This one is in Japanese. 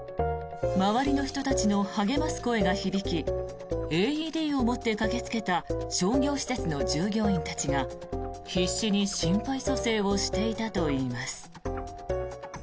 周りの人たちの励ます声が響きＡＥＤを持って駆けつけた商業施設の従業員たちが必死に心肺蘇生をしていたといいます。